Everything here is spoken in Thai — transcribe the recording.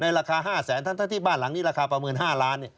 ราคา๕แสนทั้งที่บ้านหลังนี้ราคาประเมิน๕ล้าน